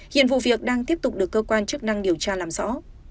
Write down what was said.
hiện vụ việc đang tiếp tục được cơ quan chức năng điều tra làm rõ